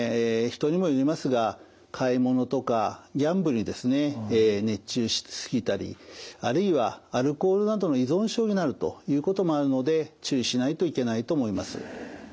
人にもよりますが買い物とかギャンブルに熱中し過ぎたりあるいはアルコールなどの依存症になるということもあるので注意しないといけないと思います。